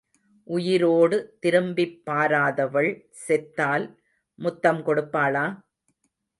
உயிரோடு திரும்பிப் பாராதவள் செத்தால் முத்தம் கொடுப்பாளா?